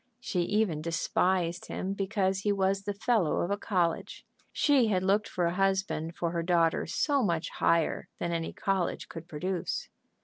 She even despised him because he was the fellow of a college; she had looked for a husband for her daughter so much higher than any college could produce.